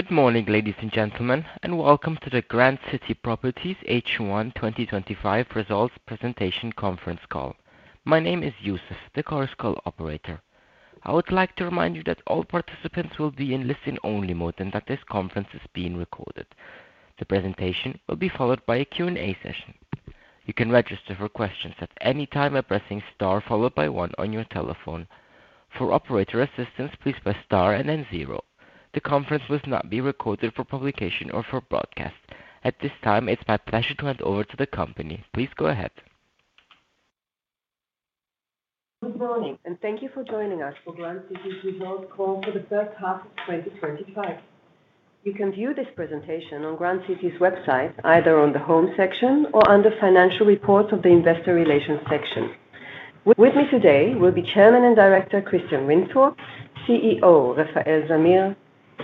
Good morning, ladies and gentlemen, and welcome to the Grand City Properties H1 2025 Results Presentation Conference Call. My name is Yusuf, the callers' call operator. I would like to remind you that all participants will be in listen-only mode and that this conference is being recorded. The presentation will be followed by a Q&A session. You can register for questions at any time by pressing star one on your telephone. For operator assistance, please press star and then zero. The conference will not be recorded for publication or for broadcast. At this time, it's my pleasure to hand over to the company. Please go ahead. Good morning, and thank you for joining us for Grand City's Results Call for the first half of 2025. You can view this presentation on Grand City's website, either on the Home section or under Financial Reports of the Investor Relations section. With me today will be Chairman and Director Christian Windfuhr, CEO Refael Zamir,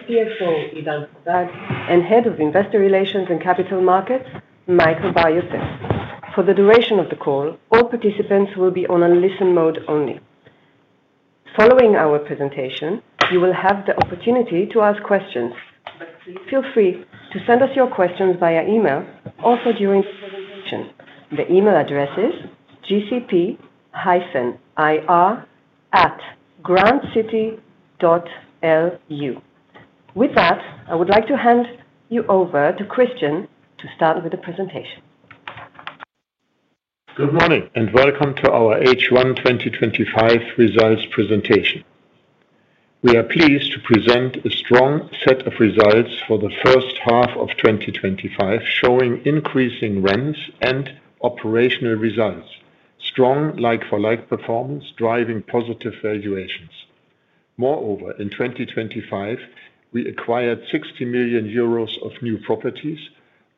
CFO Idan Hadad, and Head of Investor Relations and Capital Markets, Michael Bar-Yosef. For the duration of the call, all participants will be on a listen mode only. Following our presentation, you will have the opportunity to ask questions. Please feel free to send us your questions via email also during the presentation. The email address is gcp-ir@grandcity.lu. With that, I would like to hand you over to Christian to start with the presentation. Good morning and welcome to our H1 2025 Results Presentation. We are pleased to present a strong set of results for the first half of 2025, showing increasing rents and operational results, strong like-for-like performance driving positive valuations. Moreover, in 2025, we acquired 60 million euros of new properties,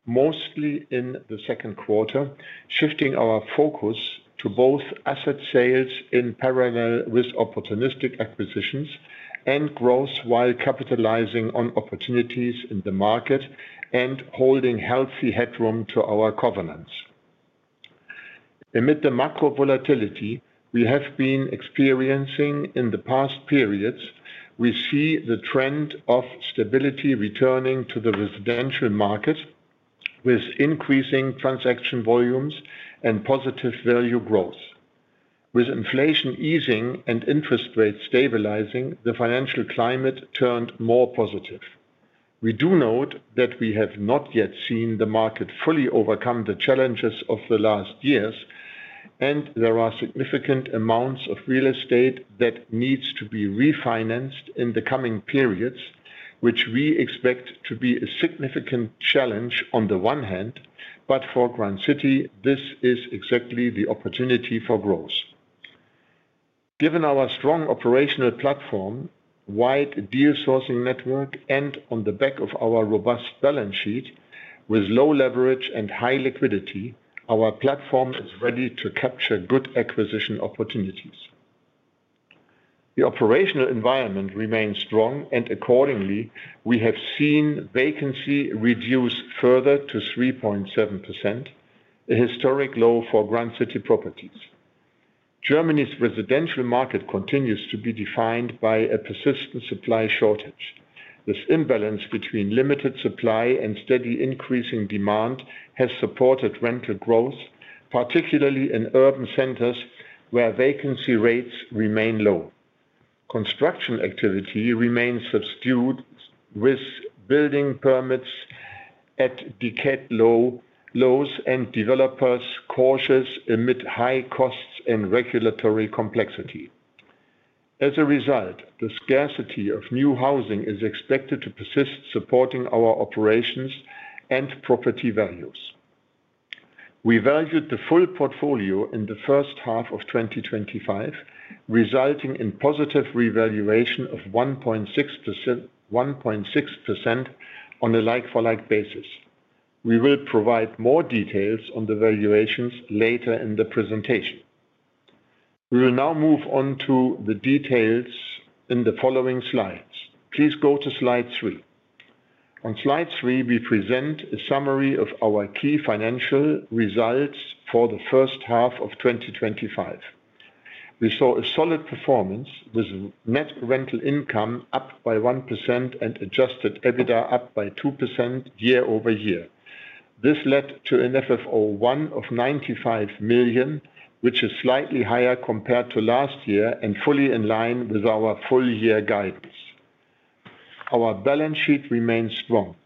mostly in the second quarter, shifting our focus to both asset sales in parallel with opportunistic acquisitions and growth while capitalizing on opportunities in the market and holding healthy headroom to our covenants. Amid the macro volatility we have been experiencing in the past periods, we see the trend of stability returning to the residential market, with increasing transaction volumes and positive value growth. With inflation easing and interest rates stabilizing, the financial climate turned more positive. We do note that we have not yet seen the market fully overcome the challenges of the last years, and there are significant amounts of real estate that need to be refinanced in the coming periods, which we expect to be a significant challenge on the one hand, but for Grand City, this is exactly the opportunity for growth. Given our strong operational platform, wide deal sourcing network, and on the back of our robust balance sheet, with low leverage and high liquidity, our platform is ready to capture good acquisition opportunities. The operational environment remains strong, and accordingly, we have seen vacancy reduce further to 3.7%, a historic low for Grand City Properties. Germany's residential market continues to be defined by a persistent supply shortage. This imbalance between limited supply and steady increasing demand has supported rental growth, particularly in urban centers where vacancy rates remain low. Construction activity remains subdued, with building permits at decade lows, and developers cautious amid high costs and regulatory complexity. As a result, the scarcity of new housing is expected to persist, supporting our operations and property values. We valued the full portfolio in the first half of 2025, resulting in positive revaluation of 1.6% on a like-for-like basis. We will provide more details on the valuations later in the presentation. We will now move on to the details in the following slides. Please go to slide three. On slide three, we present a summary of our key financial results for the first half of 2025. We saw a solid performance, with net rental income up by 1% and adjusted EBITDA up by 2% year-over-year. This led to an FFO1 of 95 million, which is slightly higher compared to last year and fully in line with our full-year guidance. Our balance sheet remains strong.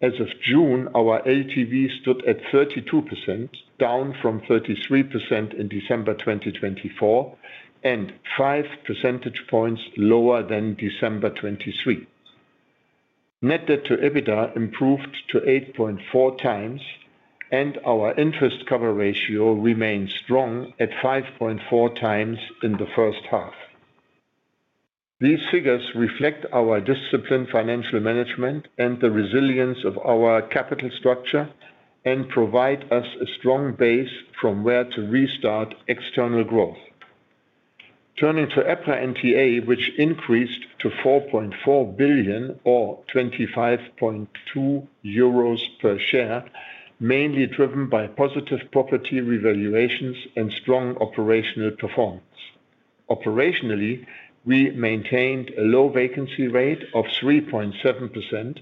As of June, our LTV stood at 32%, down from 33% in December 2024, and 5% lower than December 2023. Net debt to EBITDA improved to 8.4 times, and our interest cover ratio remains strong at 5.4 times in the first half. These figures reflect our disciplined financial management and the resilience of our capital structure and provide us a strong base from where to restart external growth. Turning to EPRA NTA, which increased to 4.4 billion or 25.2 euros per share, mainly driven by positive property revaluations and strong operational performance. Operationally, we maintained a low vacancy rate of 3.7%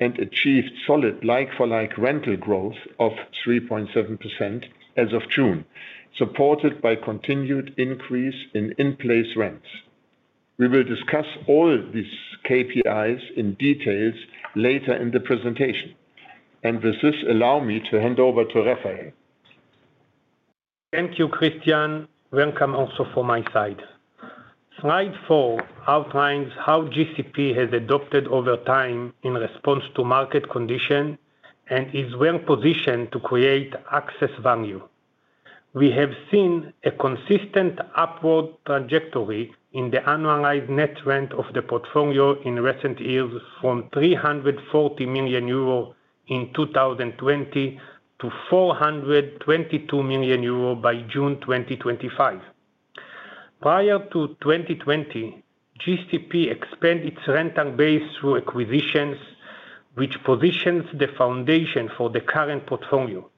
and achieved solid like-for-like rental growth of 3.7% as of June, supported by continued increase in in-place rents. We will discuss all these KPIs in detail later in the presentation. With this, allow me to hand over to Refael. Thank you, Christian. Welcome also from my side. Slide four outlines how GCP has adapted over time in response to market conditions and is well-positioned to create excess value. We have seen a consistent upward trajectory in the annualized net rent of the portfolio in recent years, from 340 million euro in 2020 to 422 million euro by June 2025. Prior to 2020 GCP expanded its rental base through acquisitions, which positions the foundation for the current portfolio.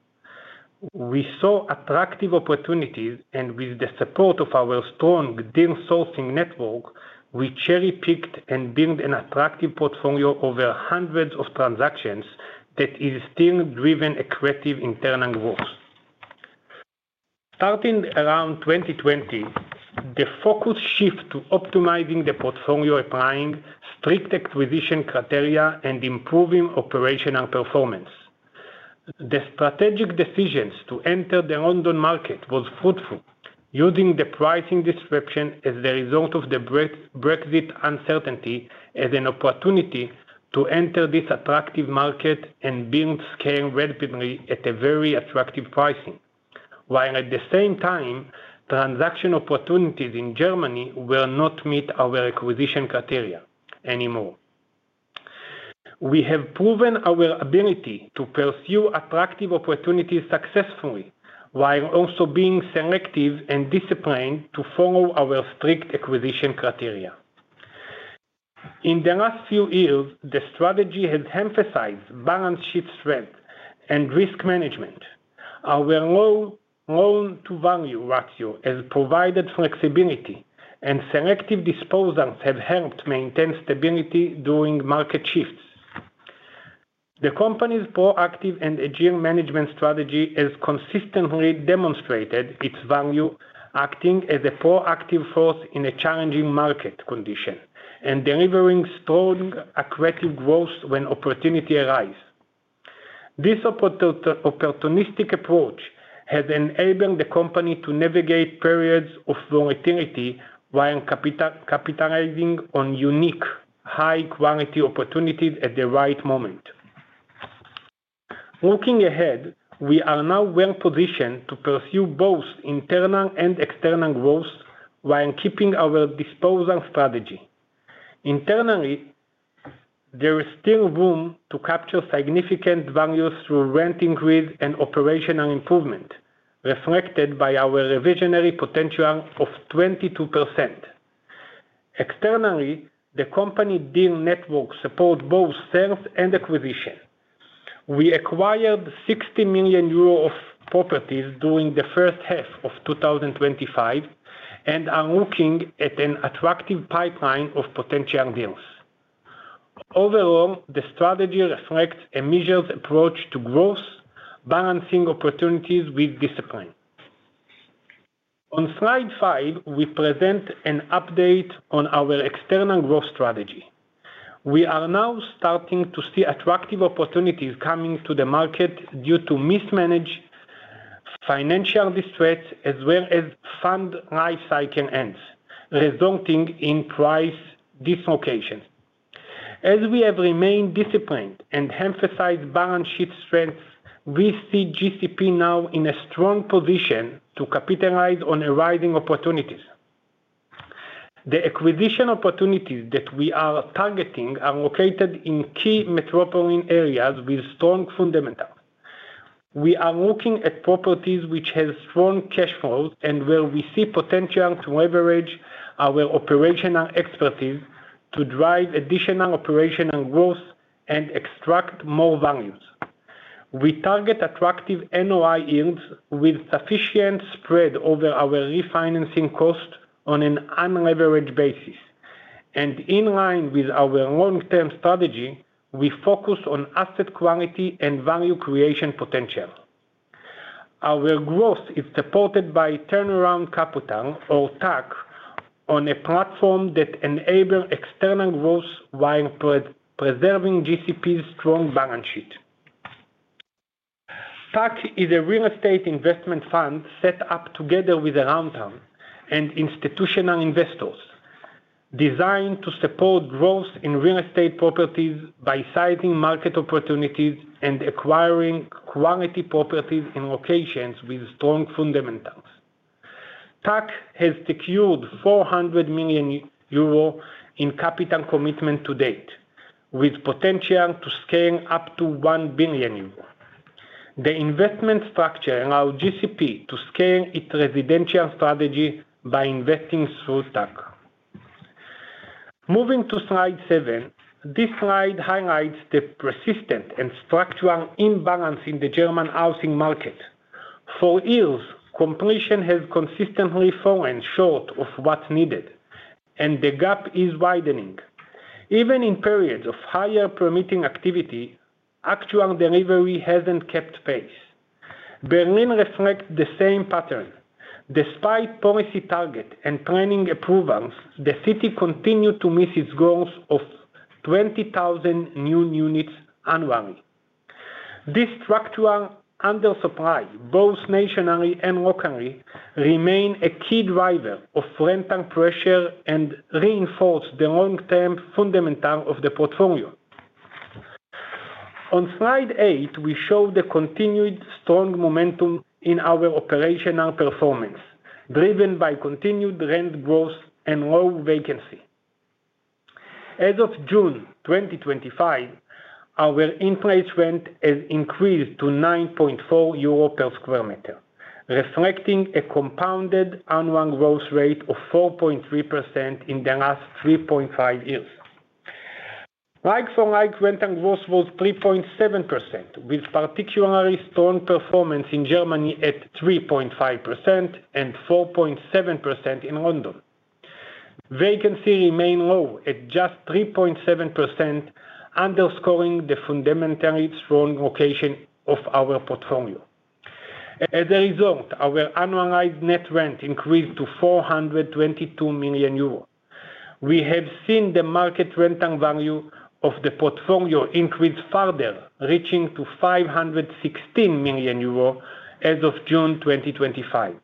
We saw attractive opportunities, and with the support of our strong deal sourcing network, we cherry-picked and built an attractive portfolio over hundreds of transactions that is still driven accretive internal growth. Starting around 2020, the focus shifted to optimizing the portfolio, applying strict acquisition criteria and improving operational performance. The strategic decision to enter the London market was fruitful, using the pricing disruption as the result of the Brexit uncertainty as an opportunity to enter this attractive market and build scale rapidly at a very attractive pricing, while at the same time, transaction opportunities in Germany will not meet our acquisition criteria anymore. We have proven our ability to pursue attractive opportunities successfully, while also being selective and disciplined to follow our strict acquisition criteria. In the last few years, the strategy has emphasized balance sheet strength and risk management. Our low loan-to-value ratio has provided flexibility, and selective disposals have helped maintain stability during market shifts. The company's proactive and agile management strategy has consistently demonstrated its value, acting as a proactive force in a challenging market condition and delivering strong accretive growth when opportunity arises. This opportunistic approach has enabled the company to navigate periods of volatility while capitalizing on unique, high-quality opportunities at the right moment. Looking ahead, we are now well-positioned to pursue both internal and external growth while keeping our disposal strategy. Internally, there is still room to capture significant value through rent increase and operational improvement, reflected by our reversionary potential of 22%. Externally, the company's deal network supports both sales and acquisition. We acquired 60 million euro of properties during the first half of 2025 and are looking at an attractive pipeline of potential deals. Overall, the strategy reflects a measured approach to growth, balancing opportunities with discipline. On slide five, we present an update on our external growth strategy. We are now starting to see attractive opportunities coming to the market due to mismanaged financial distress, as well as fund life cycle ends, resulting in price dislocations. As we have remained disciplined and emphasized balance sheet strength, we see GCP now in a strong position to capitalize on arising opportunities. The acquisition opportunities that we are targeting are located in key metropolitan areas with strong fundamentals. We are looking at properties which have strong cash flow and where we see potential to leverage our operational expertise to drive additional operational growth and extract more value. We target attractive net operating income yields with sufficient spread over our refinancing costs on an unleveraged basis. In line with our long-term strategy, we focus on asset quality and value creation potential. Our growth is supported by Turnaround Capital, or TAC, a platform that enables external growth while preserving GCP's strong balance sheet. TAC is a real estate investment fund set up together with Aroundtown and institutional investors, designed to support growth in real estate properties by sizing market opportunities and acquiring quality properties in locations with strong fundamentals. TAC has secured 400 million euro in capital commitment to date, with potential to scale up to 1 billion euro. The investment structure allows GCP to scale its residential strategy by investing through TAC. Moving to slide seven, this slide highlights the persistent and structural imbalance in the German housing market. For years, completion has consistently fallen short of what's needed, and the gap is widening. Even in periods of higher permitting activity, actual delivery hasn't kept pace. Berlin reflects the same pattern. Despite policy targets and planning approvals, the city continues to miss its goals of 20,000 new units annually. This structural undersupply, both stationary and walk-only, remains a key driver of rental pressure and reinforces the long-term fundamentals of the portfolio. On slide eight, we show the continued strong momentum in our operational performance, driven by continued rent growth and low vacancy. As of June 2025, our in-place rent has increased to 9.4 euro per-square-meter, reflecting a compounded annual growth rate of 4.3% in the last 3.5 years. Like-for-like rental growth was 3.7%, with particularly strong performance in Germany at 3.5% and 4.7% in London. Vacancy remains low at just 3.7%, underscoring the fundamentally strong location of our portfolio. As a result, our annualized net rent increased to 422 million euros. We have seen the market rental value of the portfolio increase further, reaching 516 million euro as of June 2025,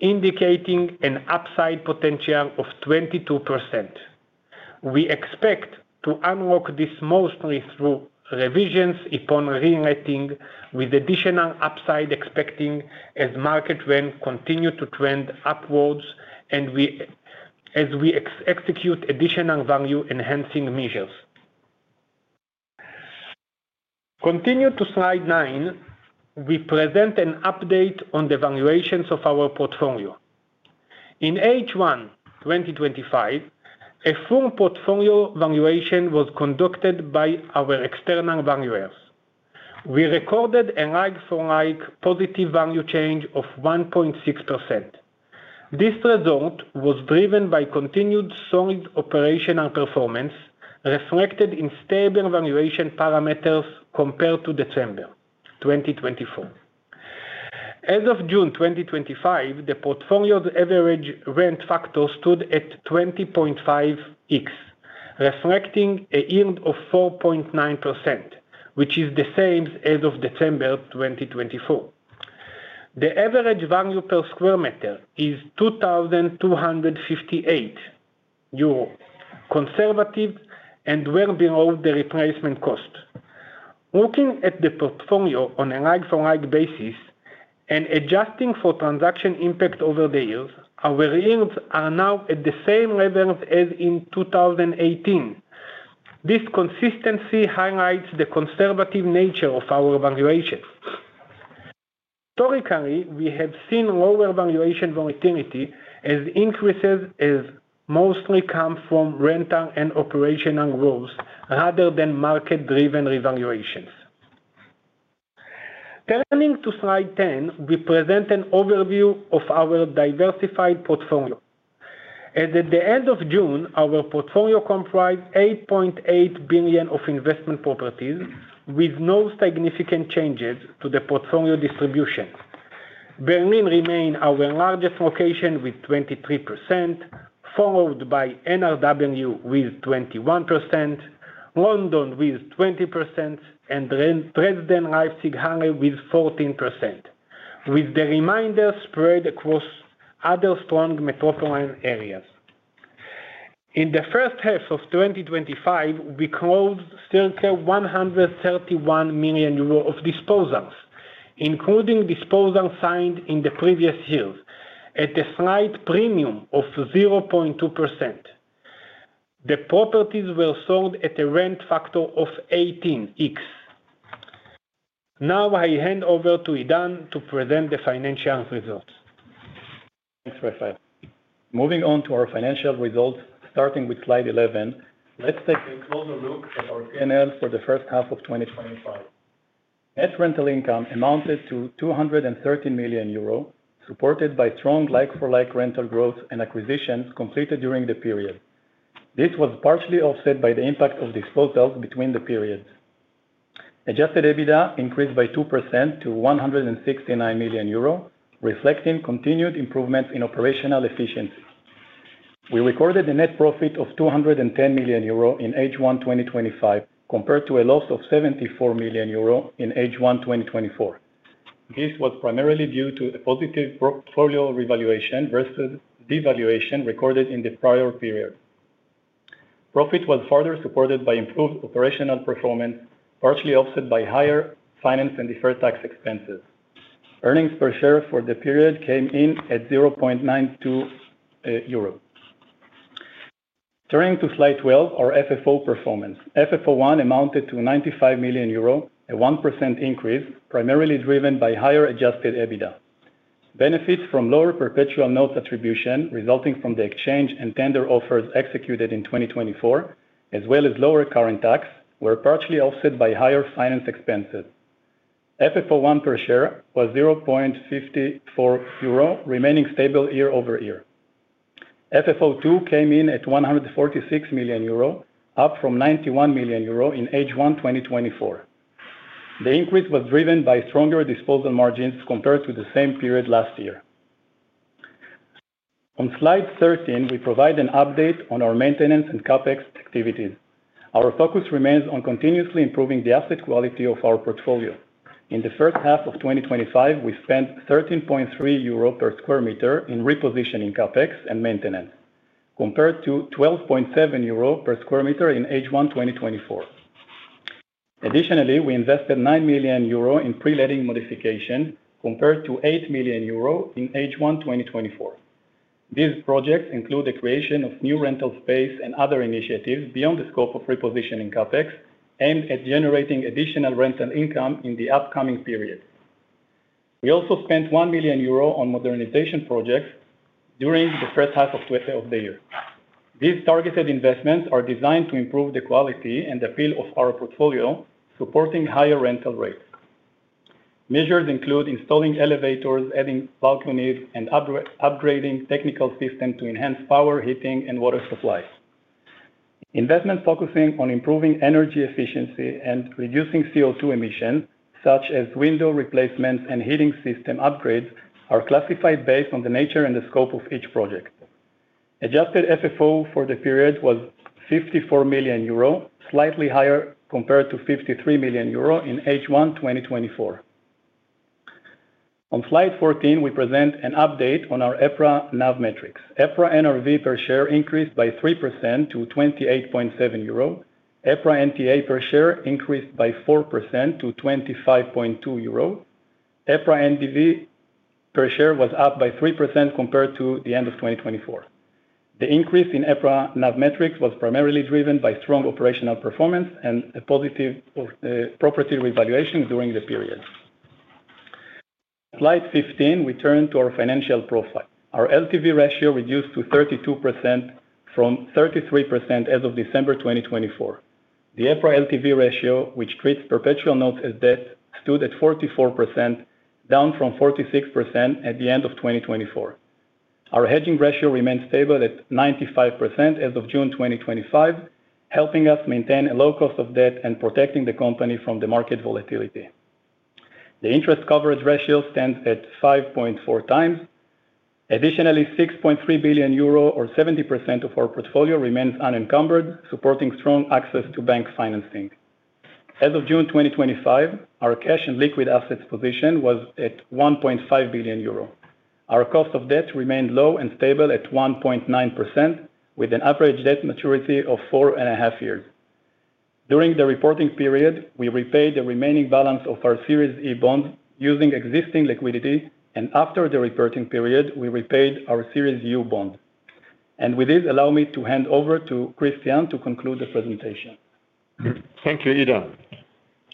indicating an upside potential of 22%. We expect to unlock this mostly through revisions upon re-renting, with additional upside expected as market rents continue to trend upwards and we execute additional value enhancing measures. Continuing to slide nine, we present an update on the valuations of our portfolio. In H1 2025, a full portfolio evaluation was conducted by our external valuers. We recorded a like-for-like positive value change of 1.6%. This result was driven by continued solid operational performance, reflected in stable valuation parameters compared to December 2024. As of June 2025, the portfolio's average rent factor stood at 20.5x, reflecting a yield of 4.9%, which is the same as of December 2024. The average value per square meter is 2,258 euro, conservative and well below the replacement cost. Looking at the portfolio on a like-for-like basis and adjusting for transaction impact over the years, our yields are now at the same levels as in 2018. This consistency highlights the conservative nature of our valuations. Historically, we have seen lower valuation volatility as increases mostly come from rental and operational growth rather than market-driven revaluations. Turning to slide 10, we present an overview of our diversified portfolio. As at the end of June, our portfolio comprised 8.8 billion of investment properties, with no significant changes to the portfolio distribution. Berlin remains our largest location with 23%, followed by NRW with 21%, London with 20%, and Dresden/Leipzig/Halle with 14%, with the remainder spread across other strong metropolitan areas. In the first half of 2025, we closed circa 131 million euros of disposals, including disposals signed in the previous years, at a slight premium of 0.2%. The properties were sold at a rent factor of 18x. Now I hand over to Idan to present the financial results. Thanks, Refael. Moving on to our financial results, starting with slide 11, let's take a closer look at our P&L for the first half of 2025. Net rental income amounted to EUR 213 million, supported by strong like-for-like rental growth and acquisitions completed during the period. This was partially offset by the impact of disposals between the periods. Adjusted EBITDA increased by 2% to 169 million euro, reflecting continued improvements in operational efficiency. We recorded a net profit of 210 million euro in H1 2025, compared to a loss of 74 million euro in H1 2024. This was primarily due to a positive portfolio revaluation versus devaluation recorded in the prior period. Profit was further supported by improved operational performance, partially offset by higher finance and deferred tax expenses. Earnings per share for the period came in at 0.92 euro. Turning to slide 12, our FFO performance. FFO1 amounted to 95 million euro, a 1% increase, primarily driven by higher adjusted EBITDA. Benefits from lower perpetual notes attribution resulting from the exchange and tender offers executed in 2024, as well as lower current tax, were partially offset by higher finance expenses. FFO1 per share was 0.54 euro, remaining stable year-over-year. FFO2 came in at 146 million euro, up from 91 million euro in H1 2024. The increase was driven by stronger disposal margins compared to the same period last year. On slide 13, we provide an update on our maintenance and CapEx activities. Our focus remains on continuously improving the asset quality of our portfolio. In the first half of 2025, we spent 13.3 euro per square meter in repositioning CapEx and maintenance, compared to 12.7 euro per square meter in H1 2024. Additionally, we invested 9 million euro in pre-letting modification, compared to 8 million euro in H1 2024. These projects include the creation of new rental space and other initiatives beyond the scope of repositioning CapEx, aimed at generating additional rental income in the upcoming period. We also spent 1 million euro on modernization projects during the first half of the year. These targeted investments are designed to improve the quality and appeal of our portfolio, supporting higher rental rates. Measures include installing elevators, adding balconies, and upgrading technical systems to enhance power, heating, and water supply. Investments focusing on improving energy efficiency and reducing CO2 emissions, such as window replacements and heating system upgrades, are classified based on the nature and the scope of each project. Adjusted FFO for the period was 54 million euro, slightly higher compared to 53 million euro in H1 2024. On slide 14, we present an update on our EPRA NAV metrics. EPRA NRV per share increased by 3% to 28.7 euro. EPRA NTA per share increased by 4% to 25.2 euro. EPRA NDV per share was up by 3% compared to the end of 2024. The increase in EPRA NAV metrics was primarily driven by strong operational performance and a positive property revaluation during the period. On slide 15, we turn to our financial profile. Our LTV ratio reduced to 32% from 33% as of December 2024. The EPRA LTV ratio, which treats perpetual notes as debt, stood at 44%, down from 46% at the end of 2024. Our hedging ratio remains stable at 95% as of June 2025, helping us maintain a low cost of debt and protecting the company from market volatility. The interest coverage ratio stands at 5.4 times. Additionally, 6.3 billion euro, or 70% of our portfolio, remains unencumbered, supporting strong access to bank financing. As of June 2025, our cash and liquid assets position was at 1.5 billion euro. Our cost of debt remained low and stable at 1.9%, with an average debt maturity of four and a half years. During the reporting period, we repaid the remaining balance of our Series E bonds using existing liquidity, and after the reporting period, we repaid our Series U bond. Allow me to hand over to Christian to conclude the presentation. Thank you, Idan.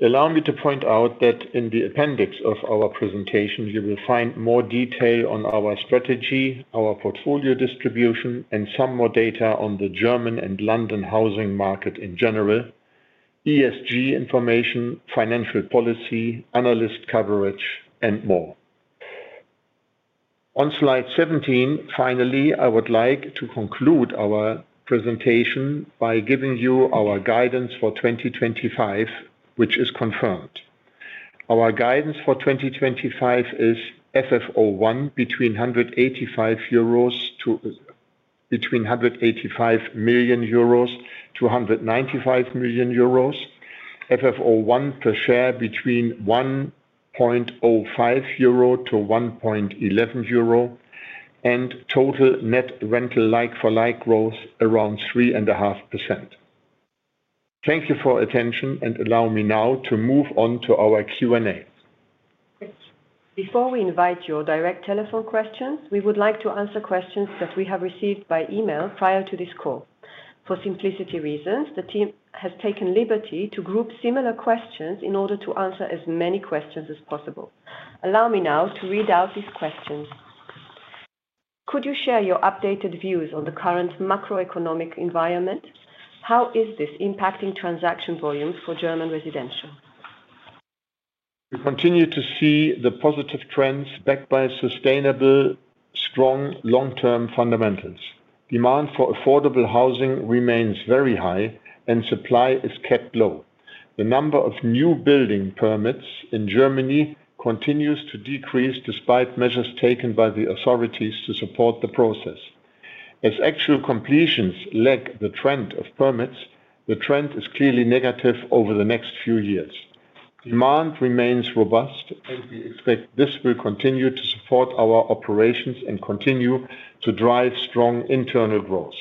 Allow me to point out that in the appendix of our presentation, you will find more detail on our strategy, our portfolio distribution, and some more data on the German and London housing market in general, ESG information, financial policy, analyst coverage, and more. On slide 17, finally, I would like to conclude our presentation by giving you our guidance for 2025, which is confirmed. Our guidance for 2025 is FFO1 between 185 million-195 million euros, FFO1 per share between 1.05-1.11 euro, and total net rental like-for-like growth around 3.5%. Thank you for your attention, and allow me now to move on to our Q&A. Before we invite your direct telephone questions, we would like to answer questions that we have received by email prior to this call. For simplicity reasons, the team has taken the liberty to group similar questions in order to answer as many questions as possible. Allow me now to read out these questions. Could you share your updated views on the current macroeconomic environment? How is this impacting transaction volumes for German residential? We continue to see the positive trends backed by sustainable, strong long-term fundamentals. Demand for affordable housing remains very high, and supply is kept low. The number of new building permits in Germany continues to decrease despite measures taken by the authorities to support the process. As actual completions lag the trend of permits, the trend is clearly negative over the next few years. Demand remains robust, and we expect this will continue to support our operations and continue to drive strong internal growth.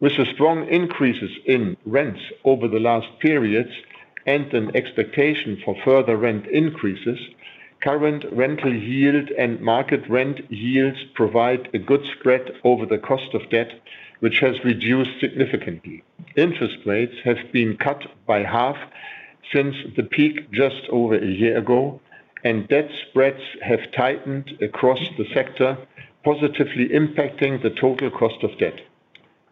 With the strong increases in rents over the last periods and an expectation for further rent increases, current rental yield and market rent yields provide a good spread over the cost of debt, which has reduced significantly. Interest rates have been cut by half since the peak just over a year ago, and debt spreads have tightened across the sector, positively impacting the total cost of debt.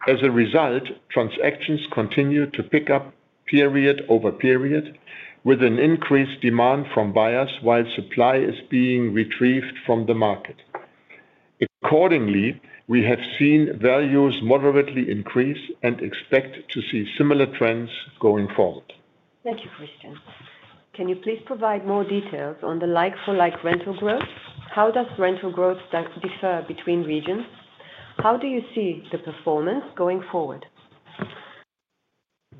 As a result, transactions continue to pick up period over period, with an increased demand from buyers while supply is being retrieved from the market. Accordingly, we have seen values moderately increase and expect to see similar trends going forward. Thank you, Christian. Can you please provide more details on the like-for-like rental growth? How does rental growth differ between regions? How do you see the performance going forward?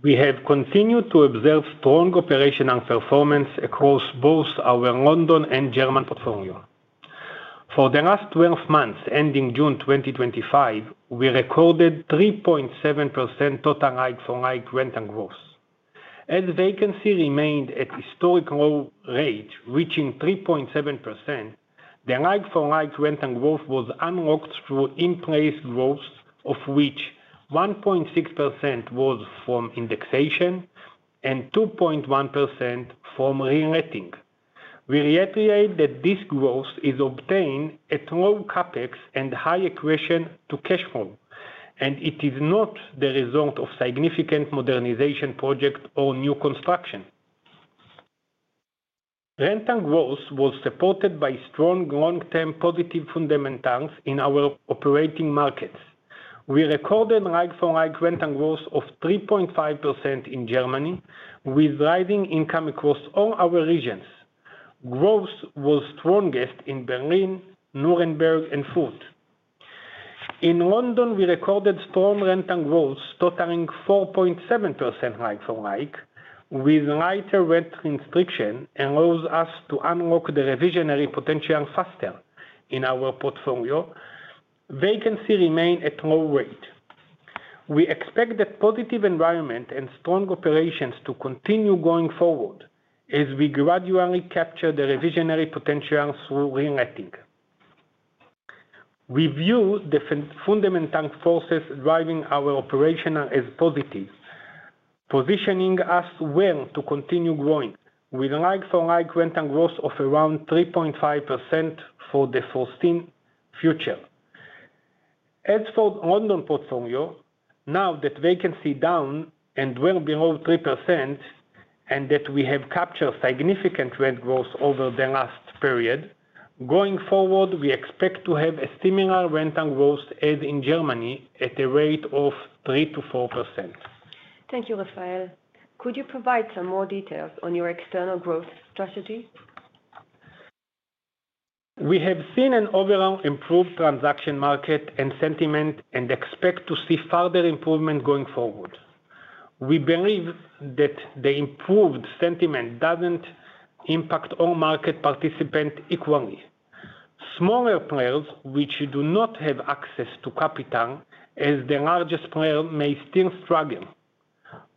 We have continued to observe strong operational performance across both our London and German portfolio. For the last 12 months ending June 2025, we recorded 3.7% total like-for-like rental growth. As vacancy remained at a historic low rate, reaching 3.7%, the like-for-like rental growth was unlocked through in-price growth, of which 1.6% was from indexation and 2.1% from re-renting. We reiterate that this growth is obtained at low CapEx and high accretion to cash flow, and it is not the result of significant modernization projects or new construction. Rental growth was supported by strong long-term positive fundamentals in our operating markets. We recorded like-for-like rental growth of 3.5% in Germany, with rising income across all our regions. Growth was strongest in Berlin, Nuremberg, and Fürth. In London, we recorded strong rental growth, totaling 4.7% like-for-like, with lighter rent restriction allowing us to unlock the reversionary potential faster. In our portfolio, vacancy remained at a low rate. We expect a positive environment and strong operations to continue going forward as we gradually capture the reversionary potential through re-renting. We view the fundamental forces driving our operation as positive, positioning us well to continue growing, with like-for-like rental growth of around 3.5% for the foreseen future. As for the London portfolio, now that vacancy is down and well below 3%, and that we have captured significant rent growth over the last period, going forward, we expect to have a similar rental growth as in Germany at a rate of 3%-4%. Thank you, Refael. Could you provide some more details on your external growth strategies? We have seen an overall improved transaction market and sentiment and expect to see further improvement going forward. We believe that the improved sentiment doesn't impact all market participants equally. Smaller players, which do not have access to capital as the largest player, may still struggle.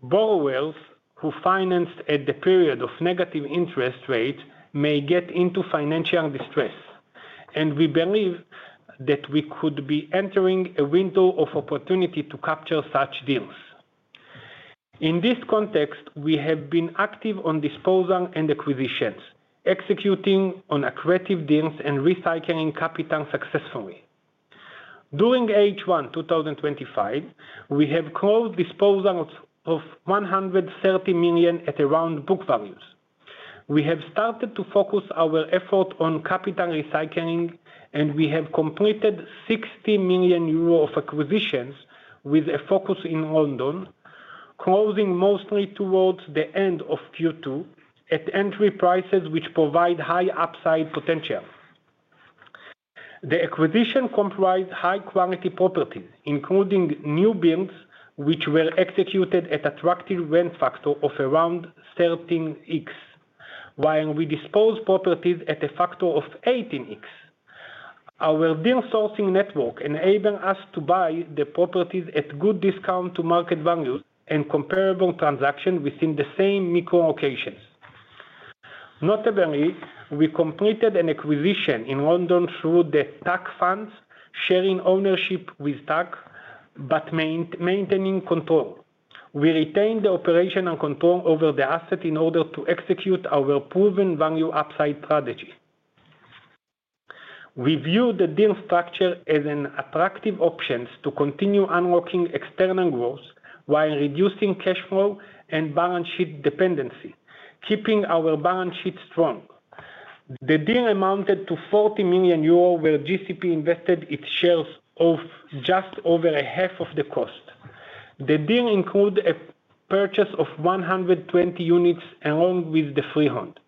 Borrowers who financed at the period of negative interest rates may get into financial distress, and we believe that we could be entering a window of opportunity to capture such deals. In this context, we have been active on disposal and acquisitions, executing on accretive deals and recycling capital successfully. During H1 2025, we have closed disposals of 130 million at around book values. We have started to focus our efforts on capital recycling, and we have completed 60 million euro of acquisitions with a focus in London, closing mostly towards the end of Q2 at entry prices which provide high upside potential. The acquisitions comprise high-quality properties, including new builds which were executed at an attractive rent factor of around 13x, while we disposed of properties at a factor of 18x. Our deal sourcing network enabled us to buy the properties at good discounts to market value and comparable transactions within the same micro-locations. Notably, we completed an acquisition in London through the TAC funds, sharing ownership with TAC but maintaining control. We retained the operational control over the assets in order to execute our proven value upside strategy. We view the deal structure as an attractive option to continue unlocking external growth while reducing cash flow and balance sheet dependency, keeping our balance sheet strong. The deal amounted to 40 million euro where GCP invested its shares of just over a half of the cost. The deal included a purchase of 120 units along with the freehold.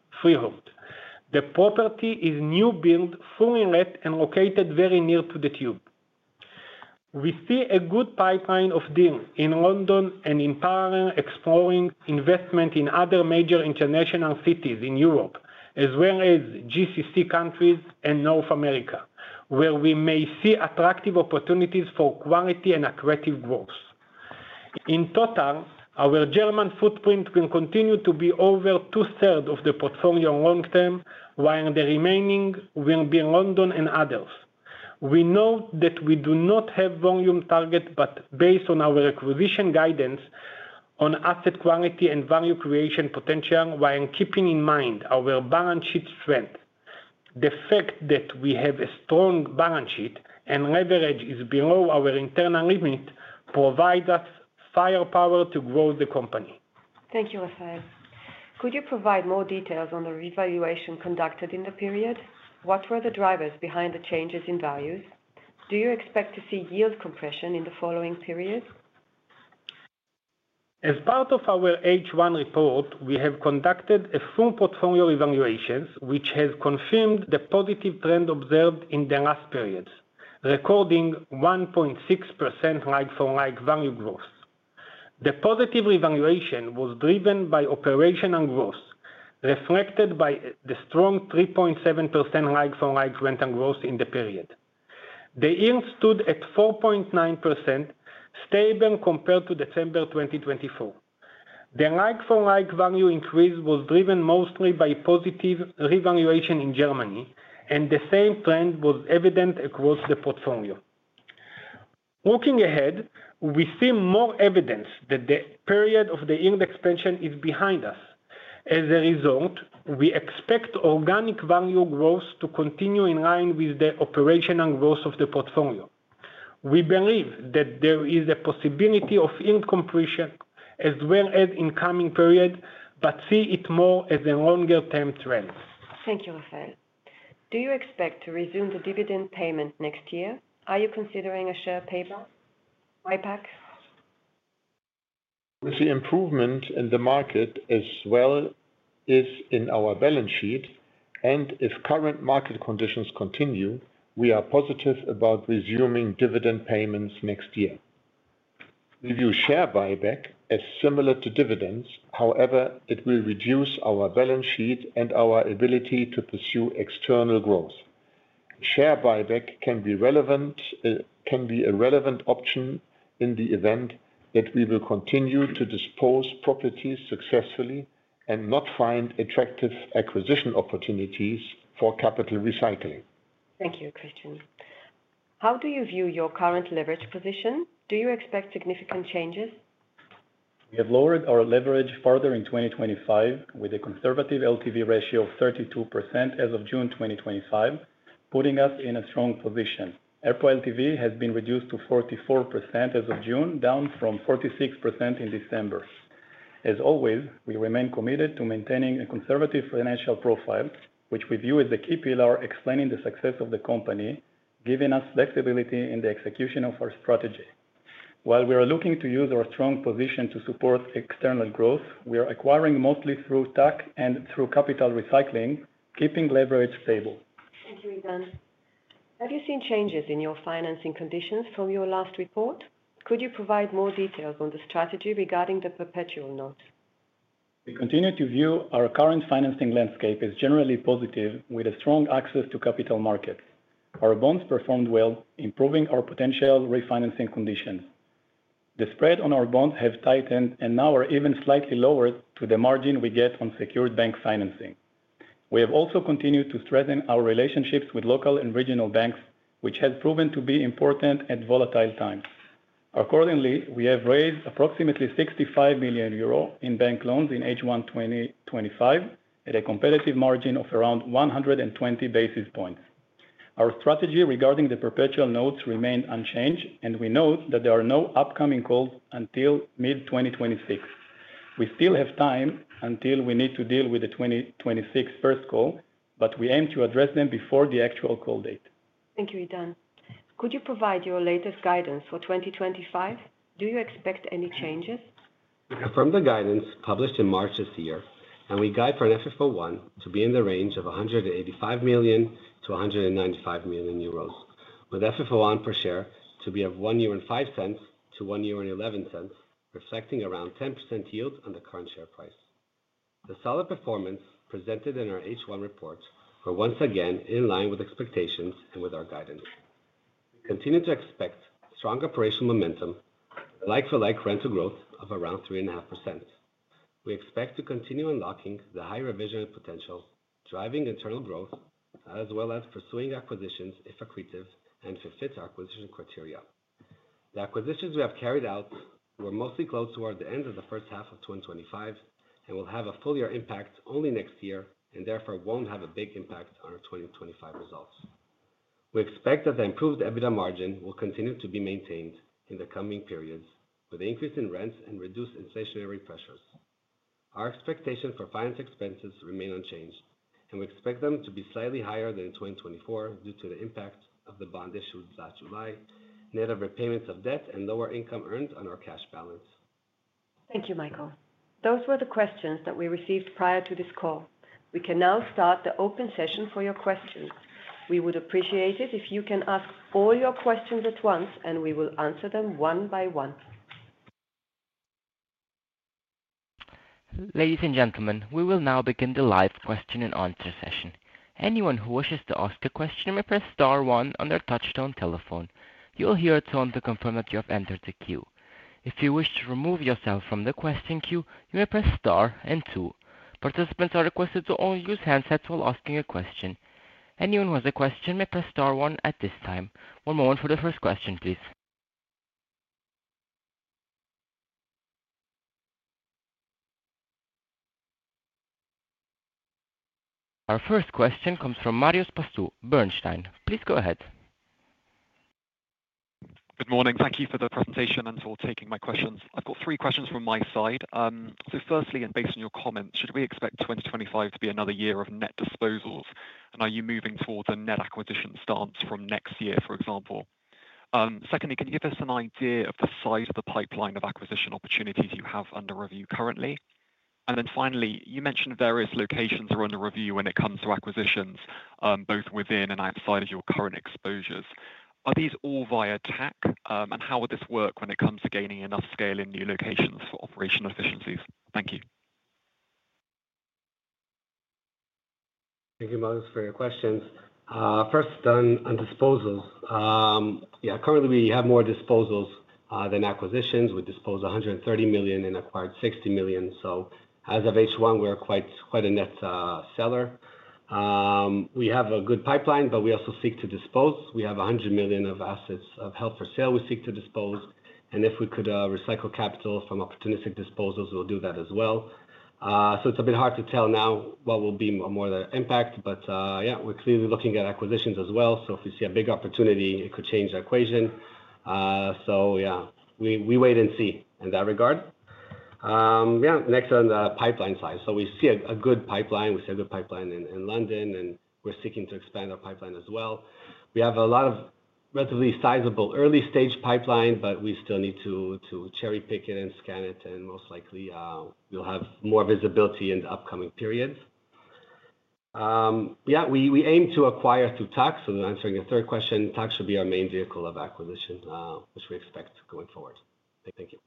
The property is a new build, fully rent, and located very near to the tube. We see a good pipeline of deals in London and in parallel exploring investment in other major international cities in Europe, as well as GCC countries and North America, where we may see attractive opportunities for quality and accretive growth. In total, our German footprint will continue to be over two-thirds of the portfolio long term, while the remaining will be in London and others. We note that we do not have a volume target, but based on our acquisition guidance on asset quality and value creation potential, while keeping in mind our balance sheet strength. The fact that we have a strong balance sheet and leverage is below our internal limit provides us firepower to grow the company. Thank you, Refael. Could you provide more details on the revaluation conducted in the period? What were the drivers behind the changes in values? Do you expect to see yield compression in the following periods? As part of our H1 report, we have conducted a full portfolio evaluation, which has confirmed the positive trend observed in the last period, recording 1.6% like-for-like value growth. The positive revaluation was driven by operational growth, reflected by the strong 3.7% like-for-like rental growth in the period. The yield stood at 4.9%, stable compared to December 2024. The like-for-like value increase was driven mostly by positive revaluation in Germany, and the same trend was evident across the portfolio. Looking ahead, we see more evidence that the period of the yield expansion is behind us. As a result, we expect organic value growth to continue in line with the operational growth of the portfolio. We believe that there is a possibility of yield completion as well as in the coming periods, but see it more as a longer-term trend. Thank you, Refael. Do you expect to resume the dividend payments next year? Are you considering a share payback? We see improvement in the market as well as in our balance sheet, and if current market conditions continue, we are positive about resuming dividend payments next year. We view share buyback as similar to dividends, however, it will reduce our balance sheet and our ability to pursue external growth. Share buyback can be a relevant option in the event that we will continue to dispose of properties successfully and not find attractive acquisition opportunities for capital recycling. Thank you, Christian. How do you view your current leverage position? Do you expect significant changes? We have lowered our leverage further in 2025, with a conservative LTV ratio of 32% as of June 2025, putting us in a strong position. EPRA LTV has been reduced to 44% as of June, down from 46% in December. As always, we remain committed to maintaining a conservative financial profile, which we view as the key pillar explaining the success of the company, giving us flexibility in the execution of our strategy. While we are looking to use our strong position to support external growth, we are acquiring mostly through TAC and through capital recycling, keeping leverage stable. Thank you, Idan. Have you seen changes in your financing conditions from your last report? Could you provide more details on the strategy regarding the perpetual notes? We continue to view our current financing landscape as generally positive, with a strong access to capital markets. Our bonds performed well, improving our potential refinancing conditions. The spread on our bonds has tightened and now is even slightly lowered to the margin we get on secured bank financing. We have also continued to strengthen our relationships with local and regional banks, which has proven to be important at volatile times. Accordingly, we have raised approximately 65 million euro in bank loans in H1 2025, at a competitive margin of around 120 basis points. Our strategy regarding the perpetual notes remains unchanged, and we note that there are no upcoming calls until mid-2026. We still have time until we need to deal with the 2026 first call, but we aim to address them before the actual call date. Thank you, Idan. Could you provide your latest guidance for 2025? Do you expect any changes? We confirmed the guidance published in March this year, and we guide for an FFO1 to be in the range of 185 million-195 million euros, with FFO1 per share to be of 1.05-1.11 euro, reflecting around a 10% yield on the current share price. The solid performance presented in our H1 reports is once again in line with expectations and with our guidance. We continue to expect strong operational momentum, like-for-like rental growth of around 3.5%. We expect to continue unlocking the high reversionary potential, driving internal growth, as well as pursuing acquisitions if accretive and fit our acquisition criteria. The acquisitions we have carried out were mostly closed toward the end of the first half of 2025 and will have a full-year impact only next year and therefore won't have a big impact on our 2025 results. We expect that the improved EBITDA margin will continue to be maintained in the coming periods, with an increase in rents and reduced inflationary pressures. Our expectations for finance expenses remain unchanged, and we expect them to be slightly higher than in 2024 due to the impact of the bond issued last July, net repayments of debt, and lower income earned on our cash balance. Thank you, Michael. Those were the questions that we received prior to this call. We can now start the open session for your questions. We would appreciate it if you can ask all your questions at once, and we will answer them one by one. Ladies and gentlemen, we will now begin the live question and answer session. Anyone who wishes to ask a question may press star one on their touchtone telephone. You will hear a tone to confirm that you have entered the queue. If you wish to remove yourself from the question queue, you may press star two. Participants are requested to only use handsets while asking a question. Anyone who has a question may press star one at this time. One moment for the first question, please. Our first question comes from Marios Pastou, Bernstein. Please go ahead. Good morning. Thank you for the presentation and for taking my questions. I've got three questions from my side. Firstly, based on your comments, should we expect 2025 to be another year of net disposals? Are you moving towards a net acquisition stance from next year, for example? Secondly, can you give us an idea of the size of the pipeline of acquisition opportunities you have under review currently? Finally, you mentioned various locations are under review when it comes to acquisitions, both within and outside of your current exposures. Are these all via TAC? How would this work when it comes to gaining enough scale in new locations for operational efficiencies? Thank you. Thank you, Marios, for your questions. First, on disposals, yeah, currently we have more disposals than acquisitions. We disposed of 130 million and acquired 60 million. As of H1, we're quite a net seller. We have a good pipeline, but we also seek to dispose. We have 100 million of assets held for sale we seek to dispose. If we could recycle capital from opportunistic disposals, we'll do that as well. It's a bit hard to tell now what will be more of the impact. Yeah, we're clearly looking at acquisitions as well. If we see a big opportunity, it could change the equation. We wait and see in that regard. Next, on the pipeline side, we see a good pipeline. We see a good pipeline in London, and we're seeking to expand our pipeline as well. We have a lot of relatively sizable early-stage pipelines, but we still need to cherry-pick it and scan it, and most likely we'll have more visibility in the upcoming periods. We aim to acquire through TAC. Answering your third question, TAC should be our main vehicle of acquisition, which we expect going forward. Thank you.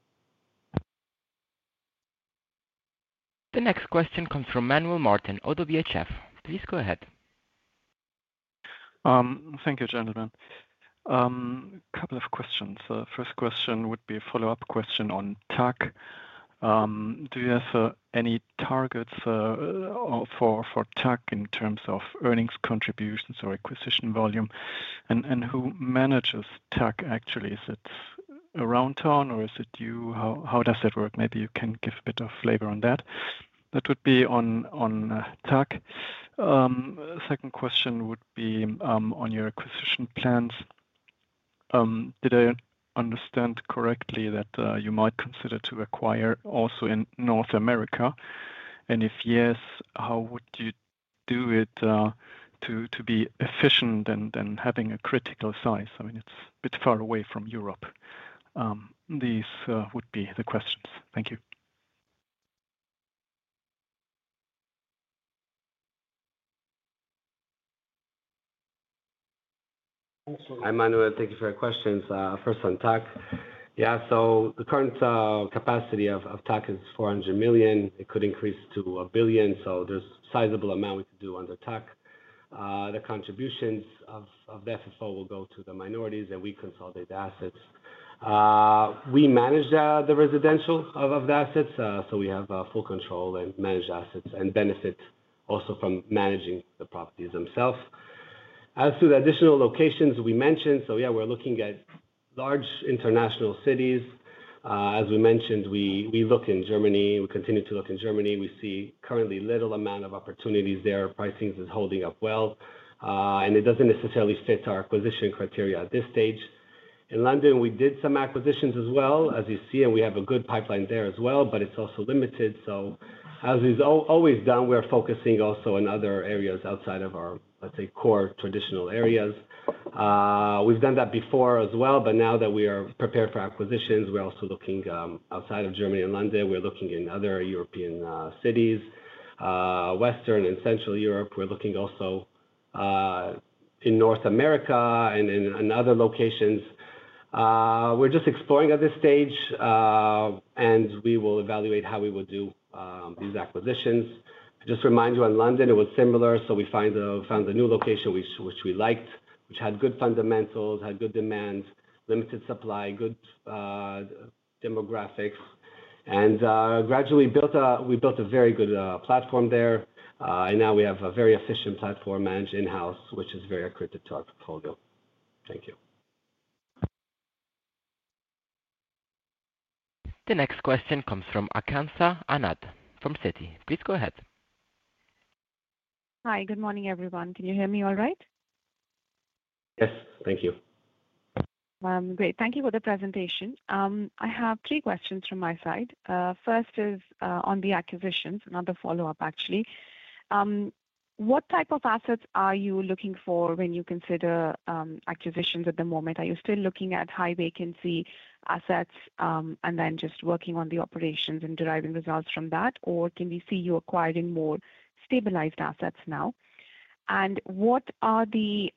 The next question comes from Manuel Martin, ODDO BHF. Please go ahead. Thank you, gentlemen. A couple of questions. First question would be a follow-up question on TAC. Do you have any targets for TAC in terms of earnings contributions or acquisition volume? Who manages TAC actually? Is it Aroundtown or is it you? How does that work? Maybe you can give a bit of flavor on that. That would be on TAC. Second question would be on your acquisition plans. Did I understand correctly that you might consider to acquire also in North America? If yes, how would you do it to be efficient than having a critical size? I mean, it's a bit far away from Europe. These would be the questions. Thank you. Hi, Manuel. Thank you for your questions. First on TAC. Yeah, so the current capacity of TAC is 400 million. It could increase to 1 billion. There's a sizable amount we could do under TAC. The contributions of the FFO will go to the minorities, and we consolidate the assets. We manage the residential of the assets. We have full control and manage assets and benefit also from managing the properties themselves. As to the additional locations we mentioned, yeah, we're looking at large international cities. As we mentioned, we look in Germany. We continue to look in Germany. We see currently a little amount of opportunities there. Pricing is holding up well, and it doesn't necessarily fit our acquisition criteria at this stage. In London, we did some acquisitions as well, as you see, and we have a good pipeline there as well, but it's also limited. As we've always done, we're focusing also on other areas outside of our, let's say, core traditional areas. We've done that before as well, but now that we are prepared for acquisitions, we're also looking outside of Germany and London. We're looking in other European cities, Western and Central Europe. We're looking also in North America and in other locations. We're just exploring at this stage, and we will evaluate how we will do these acquisitions. Just to remind you, in London, it was similar. We found a new location which we liked, which had good fundamentals, had good demand, limited supply, good demographics, and gradually we built a very good platform there. Now we have a very efficient platform managed in-house, which is very accretive to our portfolio. Thank you. The next question comes from Aakanksha Anand from Citi. Please go ahead. Hi, good morning everyone. Can you hear me all right? Yes, thank you. Great, thank you for the presentation. I have three questions from my side. First is on the acquisitions, another follow-up actually. What type of assets are you looking for when you consider acquisitions at the moment? Are you still looking at high vacancy assets and then just working on the operations and deriving results from that, or can we see you acquiring more stabilized assets now? What are the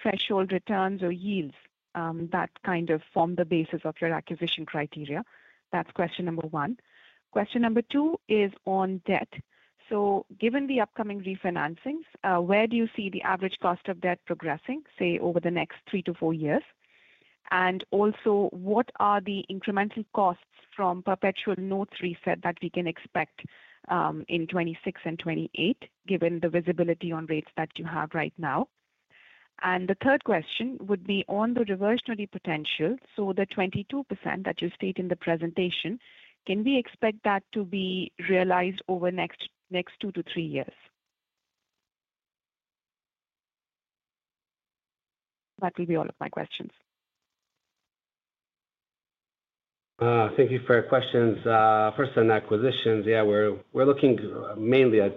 threshold returns or yields that kind of form the basis of your acquisition criteria? That's question number one. Question number two is on debt. Given the upcoming refinancings, where do you see the average cost of debt progressing, say, over the next three to four years? Also, what are the incremental costs from perpetual notes reset that we can expect in 2026 and 2028, given the visibility on rates that you have right now? The third question would be on the reversionary potential, so the 22% that you state in the presentation, can we expect that to be realized over the next two to three years? That will be all of my questions. Thank you for your questions. First on acquisitions, yeah, we're looking mainly at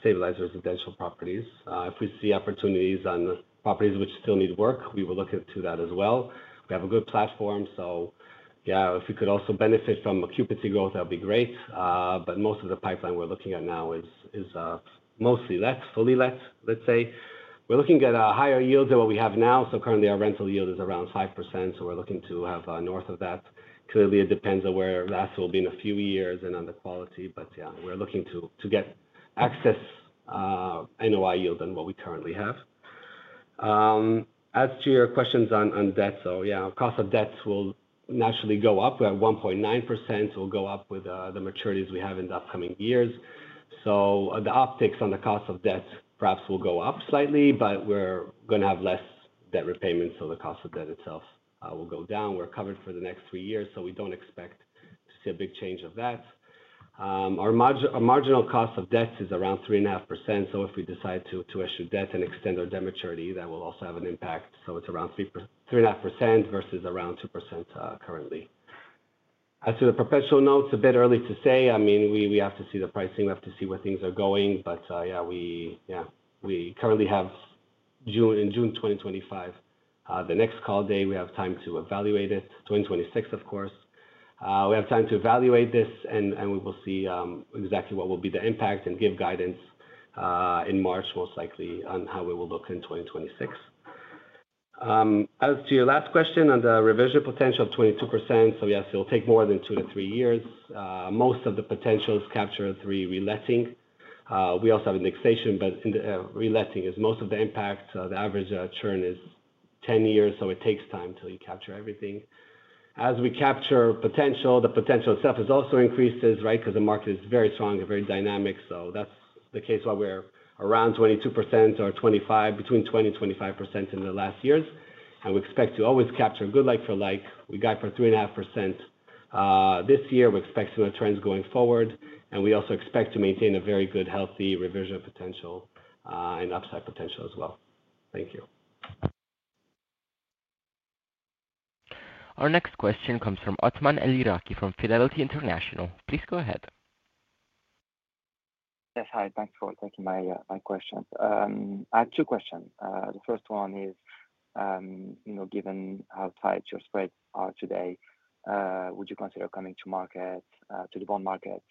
stabilized residential properties. If we see opportunities on properties which still need work, we will look into that as well. We have a good platform, so yeah, if we could also benefit from occupancy growth, that would be great. Most of the pipeline we're looking at now is mostly let, fully let, let's say. We're looking at a higher yield than what we have now. Currently, our rental yield is around 5%, so we're looking to have north of that. Clearly, it depends on where LTVs will be in a few years and on the quality, but yeah, we're looking to get excess NOI yield than what we currently have. As to your questions on debt, cost of debt will naturally go up. We're at 1.9%. It will go up with the maturities we have in the upcoming years. The optics on the cost of debt perhaps will go up slightly, but we're going to have less debt repayment, so the cost of debt itself will go down. We're covered for the next three years, so we don't expect to see a big change of that. Our marginal cost of debt is around 3.5%, so if we decide to issue debt and extend our debt maturity, that will also have an impact. It's around 3.5% versus around 2% currently. As to the perpetual notes, a bit early to say. We have to see the pricing. We have to see where things are going, but yeah, we currently have June in June 2025. The next call day, we have time to evaluate it. 2026, of course. We have time to evaluate this, and we will see exactly what will be the impact and give guidance in March, most likely, on how we will look in 2026. As to your last question on the reversionary potential of 22%, yes, it will take more than two to three years. Most of the potential is captured through re-letting. We also have indexation, but re-letting is most of the impact. The average churn is 10 years, so it takes time to recapture everything. As we capture potential, the potential itself has also increased, right, because the market is very strong and very dynamic. That's the case where we're around 22% or 25%, between 20% and 25% in the last years. We expect to always capture good like-for-like. We got up to 3.5% this year. We expect similar trends going forward, and we also expect to maintain a very good, healthy reversionary potential and upside potential as well. Thank you. Our next question comes from Othman El Iraki from Fidelity International. Please go ahead. Yes, hi. Thanks for taking my questions. I have two questions. The first one is, given how tight your spreads are today, would you consider coming to market, to the bond market,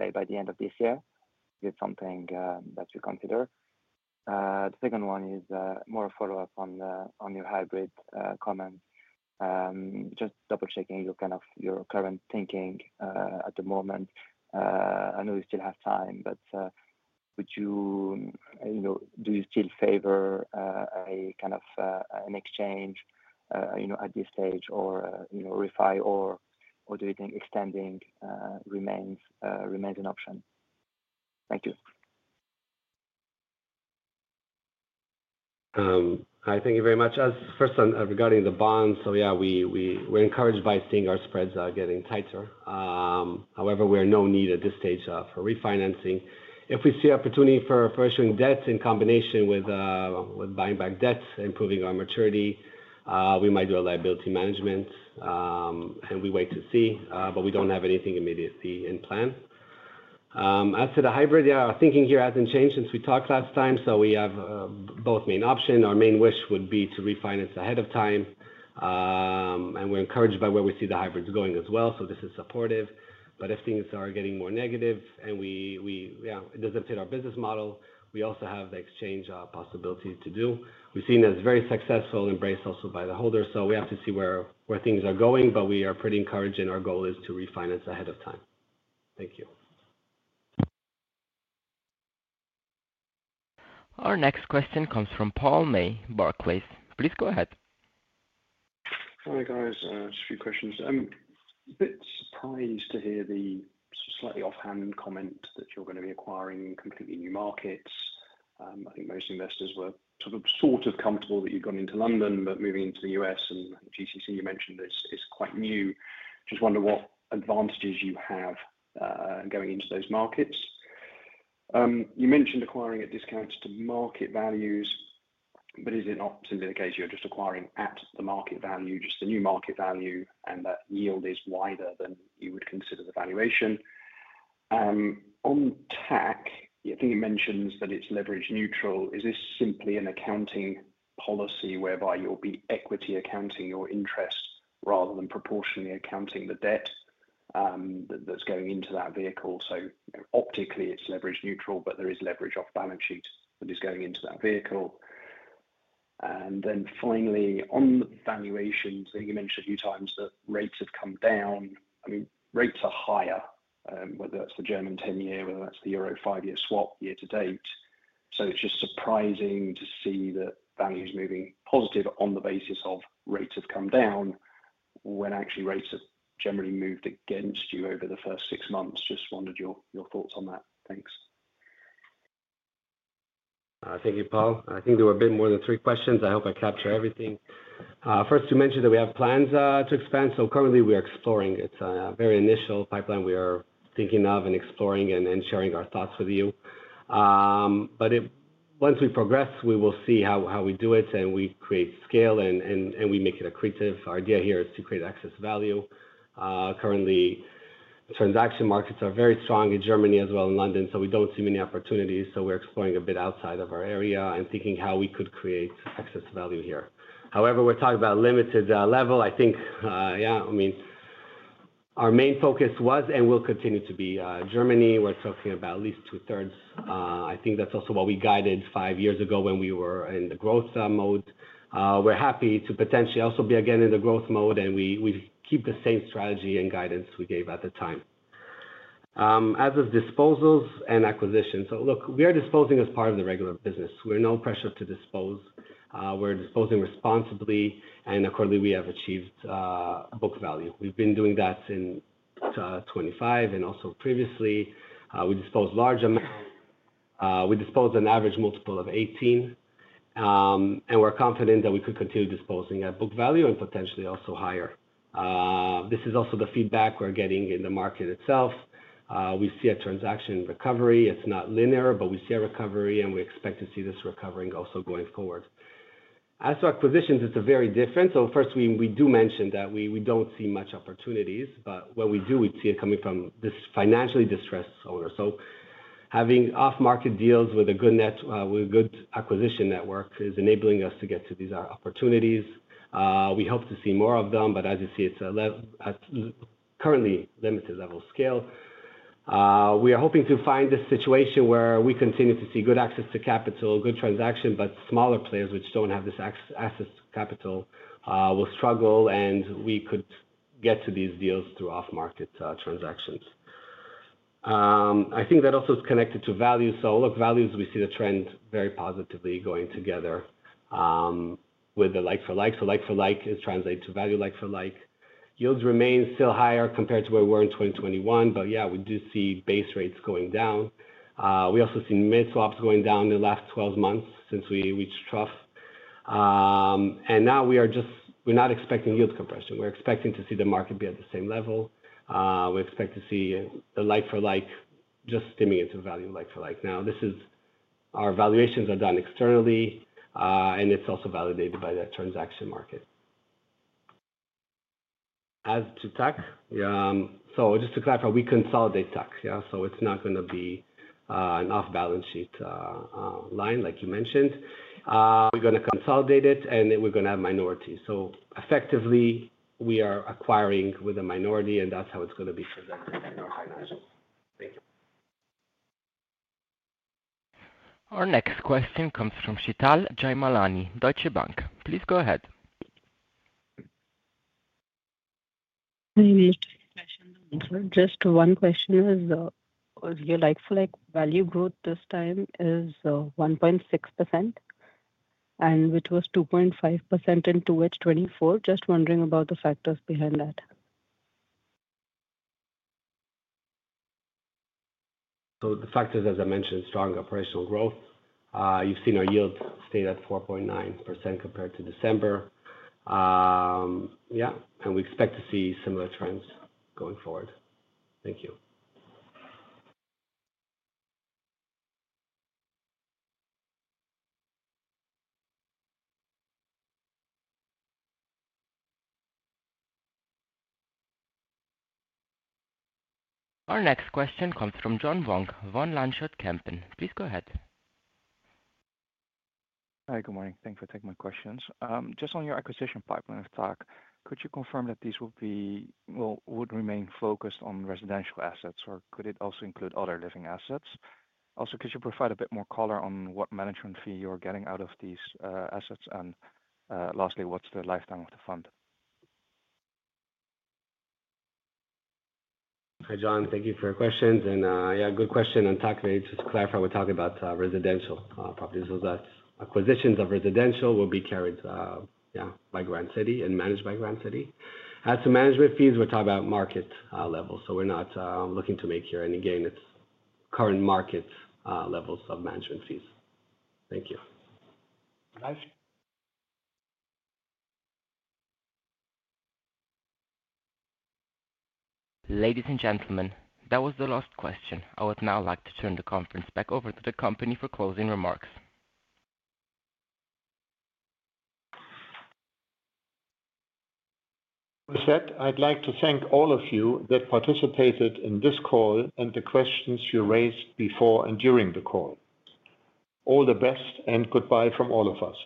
say, by the end of this year? Is it something that you consider? The second one is more a follow-up on your hybrid comment. Just double-checking your current thinking at the moment. I know you still have time, but would you, do you still favor a kind of an exchange at this stage, or refi, or do you think extending remains an option? Thank you. Hi, thank you very much. First one, regarding the bonds, we're encouraged by seeing our spreads getting tighter. However, we have no need at this stage for refinancing. If we see opportunity for pursuing debt in combination with buying back debt, improving our maturity, we might do a liability management, and we wait to see, but we don't have anything immediately in plan. As to the hybrid, our thinking here hasn't changed since we talked last time, so we have both main options. Our main wish would be to refinance ahead of time, and we're encouraged by where we see the hybrids going as well, so this is supportive. If things are getting more negative and it doesn't fit our business model, we also have the exchange possibility to do. We've seen it as very successful and embraced also by the holders, so we have to see where things are going, but we are pretty encouraged, and our goal is to refinance ahead of time. Thank you. Our next question comes from Paul May, Barclays. Please go ahead. Hi, guys. Just a few questions. I'm a bit surprised to hear the slightly offhanded comment that you're going to be acquiring completely new markets. I think most investors were sort of comfortable that you'd gone into London, but moving into the U.S. and GCC, you mentioned, is quite new. I just wonder what advantages you have going into those markets. You mentioned acquiring at discounts to market values, but is it not simply the case you're just acquiring at the market value, just a new market value, and that yield is wider than you would consider the valuation? On TAC, I think it mentions that it's leverage neutral. Is this simply an accounting policy whereby you'll be equity accounting your interest rather than proportionally accounting the debt that's going into that vehicle? Optically, it's leverage neutral, but there is leverage off balance sheet that is going into that vehicle. Finally, on the valuations, I think you mentioned a few times that rates have come down. I mean, rates are higher, whether that's the German 10-year, whether that's the Euro five-year swap year to date. It's just surprising to see that values moving positive on the basis of rates have come down when actually rates have generally moved against you over the first six months. Just wondered your thoughts on that. Thanks. Thank you, Paul. I think there were a bit more than three questions. I hope I capture everything. First, you mentioned that we have plans to expand, so currently we are exploring it. It's a very initial pipeline we are thinking of and exploring and sharing our thoughts with you. Once we progress, we will see how we do it and we create scale and we make it accretive. Our idea here is to create excess value. Currently, transaction markets are very strong in Germany as well as in London, so we don't see many opportunities. We're exploring a bit outside of our area and thinking how we could create excess value here. However, we're talking about a limited level. I think, yeah, I mean, our main focus was and will continue to be Germany. We're talking about at least two-thirds. I think that's also what we guided five years ago when we were in the growth mode. We're happy to potentially also be again in the growth mode, and we keep the same strategy and guidance we gave at the time. As with disposals and acquisitions, look, we are disposing as part of the regular business. We're no pressure to dispose. We're disposing responsibly, and accordingly, we have achieved a book value. We've been doing that since 2025 and also previously. We dispose large amounts. We dispose an average multiple of 18, and we're confident that we could continue disposing at book value and potentially also higher. This is also the feedback we're getting in the market itself. We see a transaction recovery. It's not linear, but we see a recovery, and we expect to see this recovering also going forward. As for acquisitions, it's very different. We do mention that we don't see much opportunities, but when we do, we see it coming from this financially distressed owner. Having off-market deals with a good acquisition network is enabling us to get to these opportunities. We hope to see more of them, but as you see, it's a currently limited level scale. We are hoping to find this situation where we continue to see good access to capital, good transaction, but smaller players, which don't have this access to capital, will struggle, and we could get to these deals through off-market transactions. I think that also is connected to value. Values, we see the trend very positively going together with the like-for-like. Like-for-like is translated to value like-for-like. Yields remain still higher compared to where we were in 2021, but yeah, we do see base rates going down. We also see mid-swaps going down in the last 12 months since we reached trough. We are not expecting yield compression. We're expecting to see the market be at the same level. We expect to see the like-for-like just steaming into value like-for-like. Our valuations are done externally, and it's also validated by that transaction market. As to TAC, just to clarify, we consolidate TAC, so it's not going to be an off-balance sheet line, like you mentioned. We're going to consolidate it, and then we're going to have minorities. Effectively, we are acquiring with a minority, and that's how it's going to be presented in our high management. Our next question comes from Sheetal Jaimalani, Deutsche Bank. Please go ahead. Thank you. Just one question is, was your like-for-like value growth this time 1.6%, and which was 2.5% in 2H 2024. Just wondering about the factors behind that. The factors, as I mentioned, are strong operational growth. You've seen our yield stay at 4.9% compared to December, and we expect to see similar trends going forward. Thank you. Our next question comes from John Vuong, Van Lanschot Kempen. Please go ahead. Hi, good morning. Thanks for taking my questions. Just on your acquisition pipeline of TAC, could you confirm that these would remain focused on residential assets, or could it also include other living assets? Could you provide a bit more color on what management fee you're getting out of these assets? Lastly, what's the lifetime of the fund? Hi, John. Thank you for your questions. Good question on TAC rates. Just to clarify, we're talking about residential properties. That's acquisitions of residential will be carried by Grand City and managed by Grand City. As to management fees, we're talking about market levels. We're not looking to make here any gain. It's current market levels of management fees. Thank you. Ladies and gentlemen, that was the last question. I would now like to turn the conference back over to the company for closing remarks. With that, I'd like to thank all of you that participated in this call and the questions you raised before and during the call. All the best and goodbye from all of us.